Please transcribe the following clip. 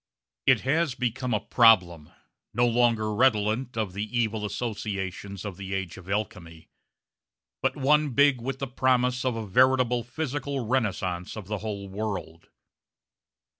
It has become a problem, no longer redolent of the evil associations of the age of alchemy, but one big with the promise of a veritable physical renaissance of the whole world.